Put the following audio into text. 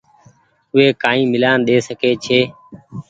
اوي ڪآئي ميلآن ۮي سڪي ڇي